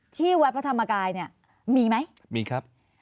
ที่วัดพระธรรมกายเนี่ยมีไหมมีครับ